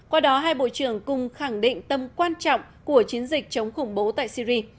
qua đó hai bộ trưởng cùng khẳng định tâm quan trọng của chiến dịch chống khủng bố tại syri